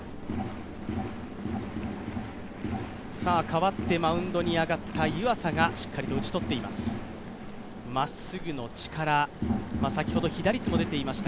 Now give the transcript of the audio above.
代わってマウンドに上がった湯浅が、しっかりと打ち取っています。